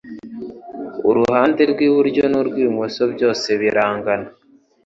uruhande rw'iburyo n'urw'ibumoso byose birangana